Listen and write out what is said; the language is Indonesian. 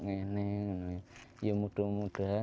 saya masih muda muda